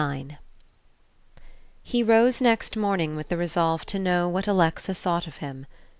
IX HE rose next morning with the resolve to know what Alexa thought of him.